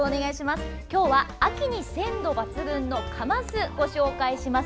今日は秋に鮮度抜群のカマスをご紹介します。